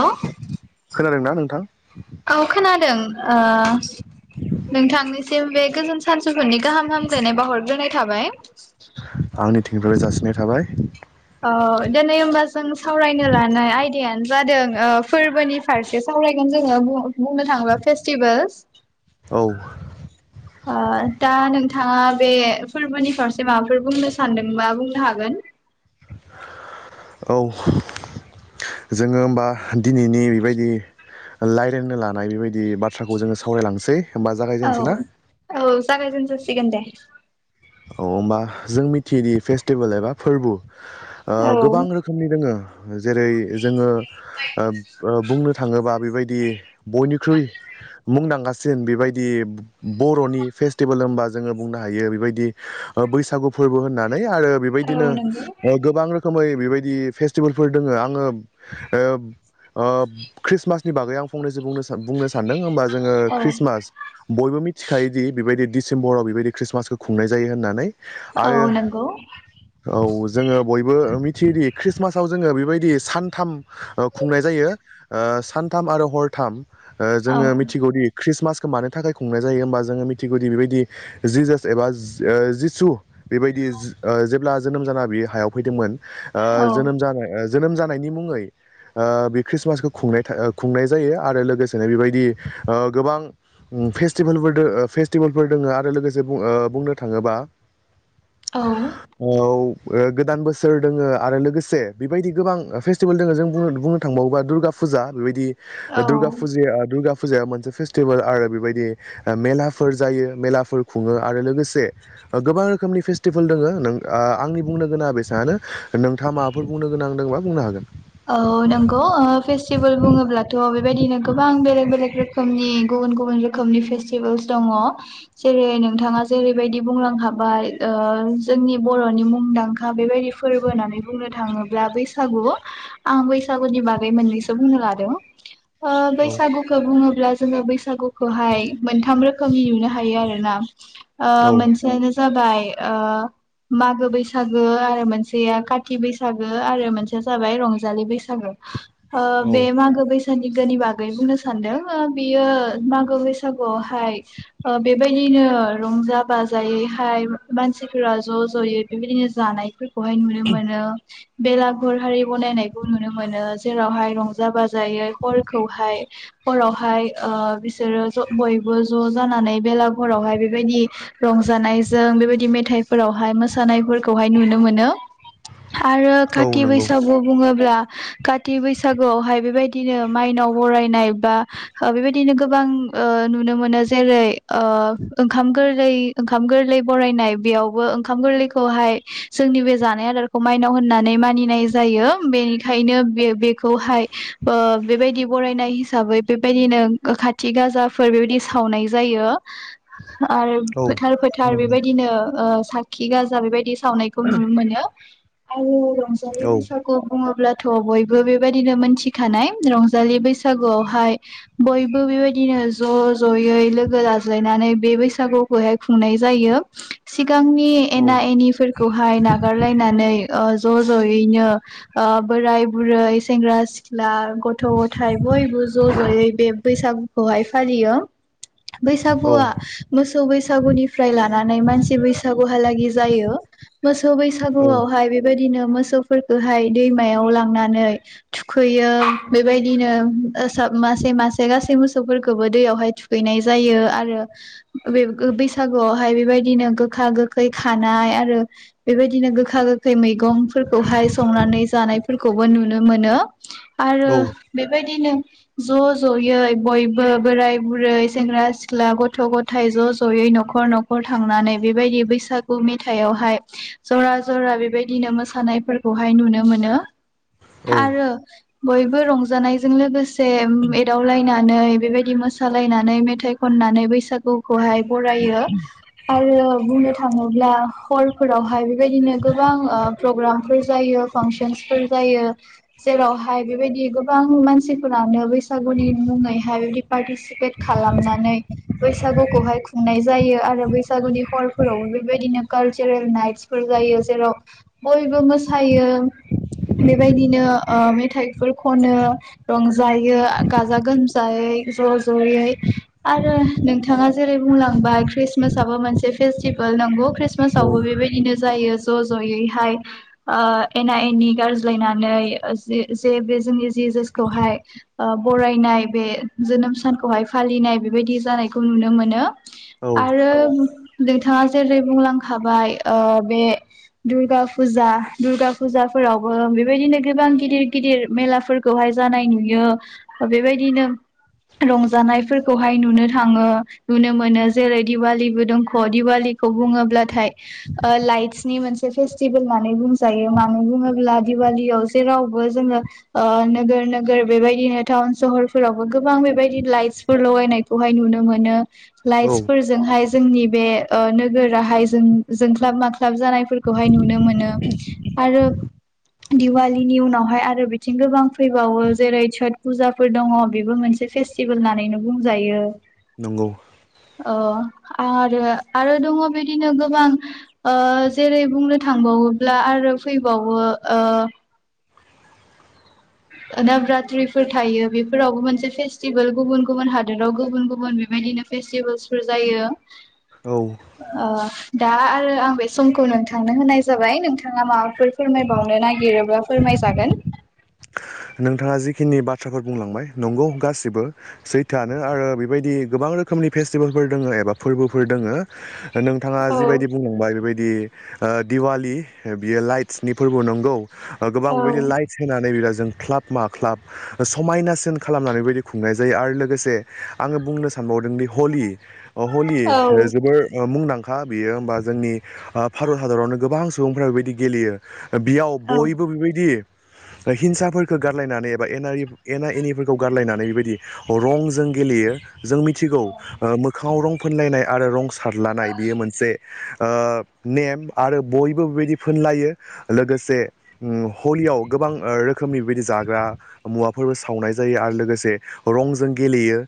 औ खोनादोंना नोंथां औ खोनादों ओ नोंथांनिसिम बे गोजोन सानजुफुनि गाहाम हामग्लायनाय बावहरग्रोनाय थाबाय आंनिथिंनिफ्राय जासिनाय थाबाय अ दिनै होमबा जों सावरायनो लानाय आयदायानो जादों फोरबोनि फारसे सावरायगोन जोंङो बुंनो थाङोब्ला फेस्टिभेल औ ओ दा नोंथाङा बे फोरबोनि फारसे माबाफोर बुंनो सानदों बा बुंनो हागोन औ जोंङो होमबा दिनैनि बेबायदि रायलायनो लानाय बेबायदि बाथ्राखौ जोङो सावरायलांनोसै औ-औ जागायजेनजासिगोन दे औ होनबा जों मिथियोदि फेस्टिभेल एबा फोरबो ओ औ गोबां रोखोमनि दोङो- - जेरै जोङो ओब ओ बुंनो थाङोबा बेबायदि बयनिख्रुइ मुंदांखासिन सिन बेबायदि बर'नि फेस्टिभेल होनबा जोंङो बुंनो हायो बेबायदि बैसागु फोरबो होननानै आरो बेबायदिनो औ नंगौ गोबां रोखोमै बेबायदि फेस्टिभेलफोर दोङो आंङो ओ ओ खृस्टमासनि बागै आं फंनैसो बुंनो- बुंनो सानदों होनबा जोंङो औ खृस्टमास बयबो मिथिखायोदि बेबायदि दिसेम्बराव बेबायदि ख्रिस्टमासखौ खुंनाय जायो होननानै औ आरो नंगौ औ जोंङो बयबो मिथियोदि ख्रिस्टमासाव जोंङो बेबायदि सानथाम खुंनाय जायो ओ सानथाम आरो हरथाम ओ औ जोंङो मिथिगौदि ख्रिस्टमास मानो थाखाय खुंनाय जायो होमबा जोंङो मिथिगौदि बेबायदि जि [unintelligible] एबा जिसु बेबायदि जेब्ला जोनोम जाना बे हायाव फैदोंमोन औ ओ जोनोम जानाय जोनोम जानायनि मुङै ओ बे ख्रिस्टमासखौ खुंनाय खुंनाय जायो आरो लोगोसेनो बेबायदि ओ गोबां फेस्टिभेलफोर - फेस्टिभेलफोर दङ आरो लोगोसे बुंनो थाङोबा औ औ ओ गोदान बोसोर दोङो आरो लोगोसे बेबायदि गोबां फेस्टिभेल दोङो जों बुंनो थांबावोबा दुर्गा फुजा फुजा बेबायदि औ दुर्गा फुजाया दुर्गा फुजाया मोनसे फेस्टिभेल आरो बेबायदि मेलाफोर जायो मेलाफोर खुङो आरो लोगोसे गोबां रोखोमनि फेस्टिभेल दङ आंनि बुंनो गोनाङा बेसांआनो नोंथाङा माबाफोर बुंनो गोनां गोनांदोंबा बुंनो हागोन औ नंगौ ओ फेस्टिभेल बुङोब्लाथ' बेबायदिनो गोबां बेलेग - बेलेग रोखोमनि गुबुन गुबुन रोखोमनि फेस्टिभेलस दङ जेरै नोंथाङा जेरैबायदि बुंलांनो हाबाय ओ ओ जोंनि बर'नि मुंदांखा बेबायदि फोरबो होननानै बुंनो थाङोब्ला बैसागु आं बैसागुनि बागै मोननैसो बुंनो लादों औ बैसागुखो बुङोब्ला अब्ला जोंङो बैसागुखौहाय मोनथाम रोखोमनि नुनो हायो आरो ना औ मोनसेयानो जाबाय ओ मागो बैसागो आरो मोनसेया काथि बैसागो आरो मोनसेया जाबाय रंजा जानि बैसागो ओ औ बे मागो बैसागो बागैनि बागै बुंनो सानदों बियो मागो बैसागुआवहाय ओ बेबायदि बिदिनो रंजा बाजायैहाय मानसिफोरा ज' ज'यै बेबायदिनो जानाय फोरखोहाय नुनो मोनो बेलागुर हारि बनायनाय नुनो मोनो जेरावहाय रंजा बाजायै हरखौहाय हरावहाय बिसोरो ज' बयबो ज' जानानै बेलागरावहाय बेबायदि रंजानायजों बेबायदि मेथाइ मेथाइफोरावहाय मोसानायफोरखौहाय नुनो मोनो [inaudible] आरो औ काथि नंगौ बैसागु बुङोब्ला कति बैसागुआवहाय बेबायदि बिदिनो माइनाव बरायनाय बा बेबायदिनो गोबां ओ नुनो मोनो जेरै ओ ओह ओंखाम गोरलाय ओंखाम गोरलै बरायनाय बेयावबो ओंखाम गोरलैखौहाय जोंनि बे जानाय आदारखौ माइनाव होननानै मानिनाय जायो बेनिखायनो बे -बेखौहाय ओ बेबायदि बरायनाय हिसाबै बेबायदिनो खाथि गाजाफोर बेबायदि सावनाय जायो आरो औ फोथार फोथार नंगौ बेबायदिनो साखि गाजा बेबायदि सावनायखौ नुनो मोनो आरो रंजालि औ बैसागु खौ बुङोब्लाथ' बयबो बेबायदिनो मोनथिखानाय रंजालि बैसागुआवहाय बय बेबायदिनो ज' ज'यै लोगो लाज्लायनानै बे बैसागुखौहाय खुंनाय जायो सि सिगांनि एना एनिफोरखौहाय नागारलायनानै ओ ज' ज'यैनो ओ बोराय बुरै सेंग्रा सिख्ला गथ' गथायाइ बयबो ज' ज'यै बे बैसागुखौहाय फालियो औ बैसागुआ मोसौ बैसागुनिफ्राय लानानै मानसि बैसागुहालागि जायो मोसौ बैसागुआवहाय बेबायदिनो मोसौफोर हाय दैमायाव लांनानै थुखैयो बेबायदिनो ओ सा मासे मा गासै मोसौफोरखौबो दैयावहाय थुखैनाय जायो आरो बेब बैसागुआवहाय बे बेबायदिनो गोखा गोखै खानाय आरो बेबायदिनो गोखा गोखै मैगंफोरखौहाय संनानै जानायफोरखौबो नुनो मोनो आरो बेबायदि बिदिनो ज' ज'यै बयबो बोराय बुरै सेंग्रा सिख्ला गथ' गथाय ज' ज'यै न'खर न'खर थांनानै बेबायदि बैसागु मेथायावहाय जरा जरा बेबायदि बिदिनो मोसानायफोर खौहाय नुनो मोनो औ आरो बयबो रंजानायजों लोगोसे से एदावलायनानै बेबायदि मोसालायनानै मेथाइ खननानै बैसागु खौहाय बरायो आरो बुंनो थाङोब्ला हरफोरावहाय बेबायदिनो गोबां ओह प्रग्राम फोर जायो पिनसनसफोर जायो जेरावहाय बेबायदि गोबां मानसिफोरानो बै बैसागुनि मुङैहाय बि पार्सिपेट खालामनानै बैसागुखौहाय खुंनाय जायो आरो बैसागुनि सहरफोराव बेबायदिनो कालचार नाइट जायो जेराव बयबो मो सायो बेबायदिनो ओ मेथाइबो खनो आरो रं जायो गाजा गोमजायै ज' ज'यै आरो नोंथाङा जेरै बुंलाङो मा खृस्टमासाबो मोनसे फेसटिभेल नंगौ औ खृस्टमासावबो बेबायदिनो जायो ज' ज'यैहाय ओह एना एनि गारज्लायनानै जे बे जोंनि जि जसखौहाय बरायनाय बे जोनोम सानखौहाय फालिनाय बेबायदि जानायखौ नुनो मोनो औ आरो नोंथाङा जेरै बुंलां हाबाय ओह बे दुर्गा फुजा दुर्गा फुजाफोरावबो बेबायदिनो गोबां गिदिर गिदिर मेलाफोरखौहाय जानाय नुयो बेबायदिनो रंजानायफोरखौहाय नुनो थाङो नुनो मोनो जेरै दिवालिबो दंख' दिवालि खौ बुङोब्लाथाय ओह लाइटसिनि मोनसे फेस्थेबोल होननानै बुङो जायो मानो बुङोब्ला दिवालीयाव जेरावबो जोङो ओह नोगोर नोगोर बेबायदिनो था टाउन सहरफोरावबो गोबां बेबायदि लाइटसफोर लगायनायखौहाय नुनो मोनो औ लाइटसफोरजोंहाय जोंनि बे ओ नोगोराहाय जों जोंख्लाब माख्लाब जानाय फोरखौहाय नुनो मोनो आरो दिवालीनि उनावहाय आरो बिथिं गोबां फैबावो जेरै सत फुजाफोर दङ बेबो मोनसे मोनसे फेस्टिभेल होननानैनो बुंजायो नंगौ ओ आरो आरो दङ बिदिनो गोबां ओ जेरै बुंनो थांबावो ब्ला आरो फैबावो ओ नभरत्रिफोर थायो बेफोरावबो मोनसे फेस्टिभेल गुबुन गुबुन हादोराव गुबुन गुबुन बेबायदिनो फेस्टिभेल्सफोर जायो औ ओ दा आरो आं बे समखौ नोंथांनो होनाय जाबाय नोंथाङा माबाफोर फोरमायबावनो नागिरोबा फोरमाय जागोन [inaudible] नोंथाङा जिखिनि बाथ्राफोर बुंलांबाय नंगौ गासिबो सैथोआनो आरो बेबायदि गोबां गोबां रोखोमनि फेस्टिभेलफोर दङ एबा फोरबोफोर दोङो नोंथाङा जिबायदि बुंलांबाय बेबायदि ओ दिवाललि बियो लाइटसनि फोरबो नंगौ गोबां औ बेबायदि लाइटस होनानै बिराद क्लाब मा क्लाब समायनासिन खालामनानै बेबादि खुंनाय जायो आरो लोगोसे आंङो बुंनो सानबाव हरदोंदि हलि हलि औ जोबोर मुंदांखा खा बियो होमबा जोंनि भारत हादरावनो गोबां सुबुंफोरा बेबायदि गेलेयो बेयाव औ बयबो बेबायदि हिंसाफोर गारलायनानै एबा एना एना एनिफोरखौ गारलायनानै बेबायदि रंजों गेलेयो जों मिथिगौ औ मोखाङाव रं फुनलायनाय आरो रं सारलानाय बियो मोन ओ नेम आरो बयबो बेबायदि फोनलायो लोगोसे उम हलियाव गोबां रोखोमनिबेबायदि जाग्रा मुवाफोरबो सावनाय जायो आरो लोगोसे रंजों गेलेयो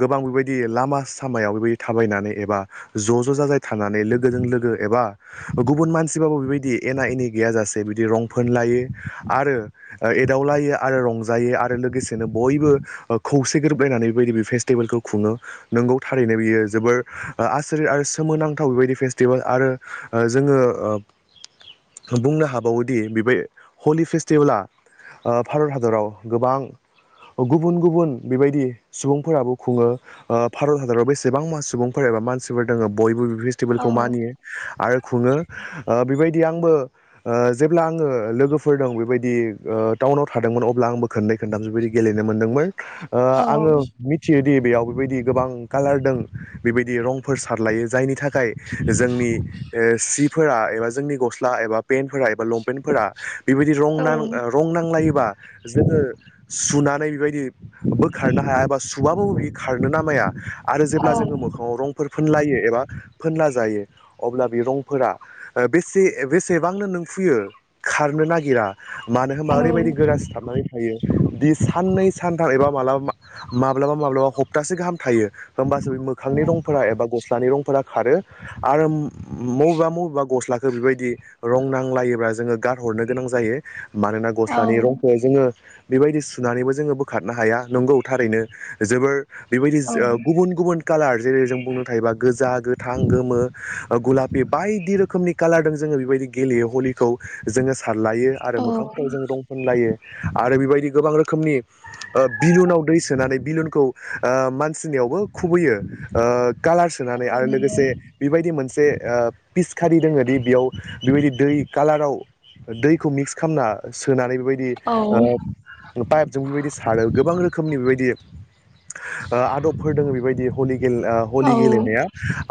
गोबां बेबायदि लामा सामायाव बेबायदि थाबायनानै एबा ज ज जाजाय थानानै लोगोजों लोगो एबा गुबुन मानसिबाबो बेबायदि एना एनि गैयाजासे बिदि रं फोन लायो आरो एट दावलायो आरो रंजायो आरो लोगोसेनो बयबो खौसे ग्रोबलायनानै बेबायदि बे फेस्टिभेलखौ खुङो नोंगौ थारैनो बियो जोबोर आसुरिट आरो सोमोनांथाव बेबायदि फेस्टिभेल आरो ओ जोंङो बुंनो हाबावोदि बेबाय हलि फेस्टिभेला भारत हादराव गोबां गुबुन गुबुन बेबायदि सुबुंफोराबो खुङो ओ भारत हादराव बेसेबां मा सुबुंफोरा दङ मानसिफोर दङ बयबो फेसटिभेलखौ मानियो आरो खुङो बेबायदि आंबो ओ जेब्ला आंङो लोगोफोर दं बेबायदि ओ टाउन आाव थादोंमोन अब्ला आंबो खोनै खोनथाबसो बेदि गेलेनो मोन्दोंमोन ओ आंङो मिथियो बेयाव बेबायदि गोबां कालार दङ बेबायदि रंफोर सारलायो जायनि थाखाय थाखाय जोंनि सिफोरा एबा जोंनि गसला एबा पेनफोरा एबा लपेणफोरा बेबायदि रं नां रं नांलायोबा जोंङो सुनानै बेबायदि बोखारनो हाया एबा सुबाबो खार नो ना माया आरो जे जोंङो मोखाङाव रंफोरखौ फोनलायो एबा फोनला जायो अब्ला बे रंफोरा बेसे बेसेबांनो नों फुयो खारनो नागिरा मानो होनबा ओरैबायदि गोरा सिथाबनानै दि साननै सानथाम एबा माब्लाबा माब्लाबा माब्लाबा हप्तासे गाहाम थायो होमबासो बे मोखांनि रंफोरा एबा गस्लानि रंफोरा खारो आरो मबेबा मबेबा गस्लाखौ बेबायदि रं नांलायोब्ला जोंङो गारहरनो गोनां जायो मानोना गस्लानि औ-औ-औ-औ-औ-औ-औ-औ-औ-औ-औ-औ-औ-औ-औ-औ-औ-औ-औ-औ-औ-औ-औ-औ-औ-औ-औ-औ-औ रंखौ जोंङो बेबायदि सुनानैबो जोंङो बोखारनो हाया नंगौ थारैनो जोबोर बेबायदि गुबुन गुबुन कालार जेरै जों बुंनो थायोबा गोजा गोथां गोमो गुलाफ बायदि रोखोमनि कालार दङ जोंङो बेबायदि गेलेयो हलिखौ जोंङो सारलायो आरो मोखांफोराव जों रंफुनलायो आरो बेबायदि गोबां रोखोमनि बिलुनाव दै सोनानै बिलुनखौ मानसिनियाव खोबो खुबैयो ओ कालार सोनानै आरो लोगोसे बेबायदि मोनसे मोनसे ओ पिसखारि दोङो दि बेयाव बेबायदि दै कालाराव दैखौ मिक्स खामना सोनानै बेबायदि ओ पाइपजों बेबायदि सारो गोबां रोख खोमनि बेबायदि ओ आदबफोर दोङो बेबायदि हलि गेल ओ हलि गेलेनाया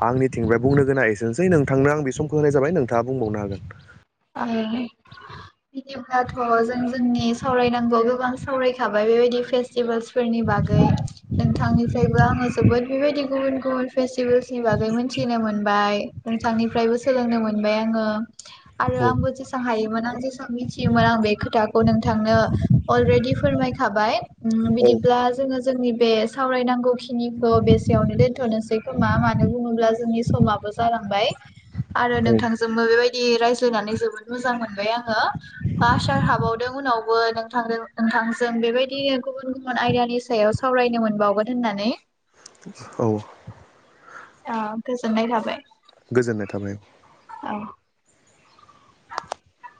आंनि थिंनिफ्राय बुंनो गोनाङा एसेनोसै नोंथांनो आं बे समखौ होनाय जाबाय नोंथाङा बुंबावनो हागोन। ओ [unintelligible] जों जोंनि सावरायनांगौआव गोबां सावरायखाबाय बेबायदि फेस्टिभेल्स फोरनि बागै। नोंथांनिफ्रायबो आङो जोबोद बेबायदि गुबुन गुबुन फेस्टिभेल्स नि बागै मोनथिनो मोनबाय नोंथांनिफ्रायबो सोलोंनो मोनबाय आङो आरो हागोन। आंबो जेसां हायोमोन आं जेसां मिथियोमोन आं बे खोथाखौ नोंथांनो अलरेडि फोरमाय खाबाय ओम औ बिदिब्ला जोङो जोंनि बे सावरायनांगौखि खिनिखौ बेसेयावनो दोन्थनोसै खोमा मानो बुङोब्ला जोंनि समाबो जालांबाय आरो औ नोंथांजोंबो बेबाय होनानै जोबोद मोजां मोनबाय आङो बा आसार हाबावदो उनावबो नोंथांदो नोंथांजों बेबायदिनो गुबुन गुबुन आयदानि सायाव सावरायनो मोनबावगोन होननानै औ अ गोजोननाय थाबाय। गोजोननाय थाबाय। औ [inaudible]